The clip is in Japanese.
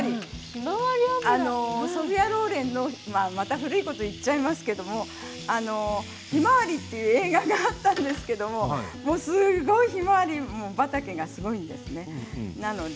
ソフィア・ローレンの、古いこと言っちゃいますけど「ひまわり」という映画があったんですけれどひまわり畑がすごいんですよ。